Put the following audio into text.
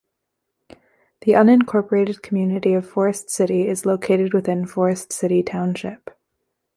The unincorporated community of Forest City is located within Forest City Township.